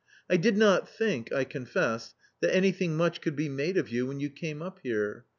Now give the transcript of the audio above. " I did not think, I confess, that anything much could be made of you when you came up here.